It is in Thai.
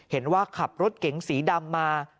เห็นว่าขับรถเก๋งสีดำมา